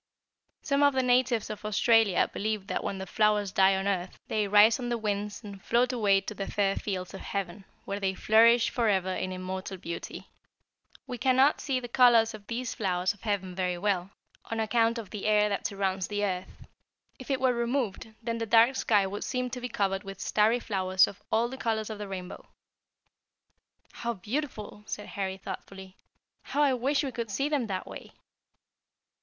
"Some of the natives of Australia believe that when the flowers die on earth they rise on the winds and float away to the fair fields of heaven, where they flourish forever in immortal beauty. We cannot see the colors of these flowers of heaven very well, on account of the air that surrounds the earth. If it were removed, then the dark sky would seem to be covered with starry flowers of all the colors of the rainbow." "How beautiful!" said Harry thoughtfully. "How I wish we could see them that way!"